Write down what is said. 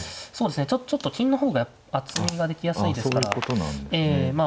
そうですねちょっと金の方が厚みができやすいですからええ。